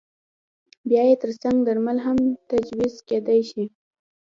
بیا یې ترڅنګ درمل هم تجویز کېدای شي.